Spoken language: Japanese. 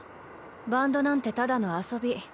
バンドなんてただの遊び。